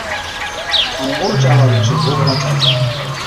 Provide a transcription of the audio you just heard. ائُون اوهچ آواز اوڇي گھوگھران چا هِلا۔